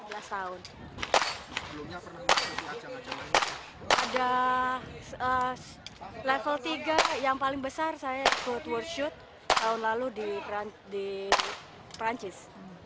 ada level tiga yang paling besar saya ikut world shoot tahun lalu di perancis